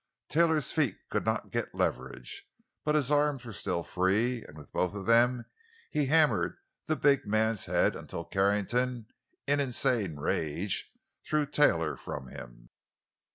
Taylor's feet could get no leverage, but his arms were still free, and with both of them he hammered the big man's head until Carrington, in insane rage, threw Taylor from him.